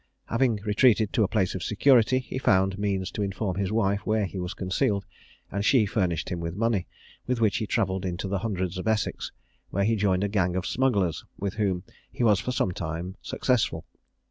Having retreated to a place of security, he found means to inform his wife where he was concealed, and she furnished him with money, with which he travelled into the hundreds of Essex, where he joined a gang of smugglers, with whom he was for some time successful.